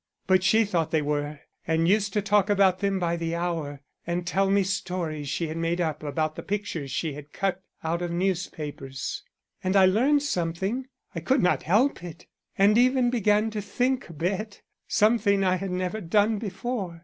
But she thought they were, and used to talk about them by the hour and tell me stories she had made up about the pictures she had cut out of newspapers. And I learned something; I could not help it, and even began to think a bit something I had never done before.